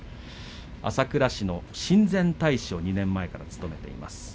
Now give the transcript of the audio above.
朝倉市の親善大使を２年前から務めています。